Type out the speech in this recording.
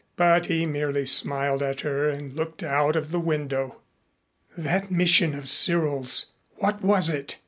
But he merely smiled at her and looked out of the window. That mission of Cyril's! What was it?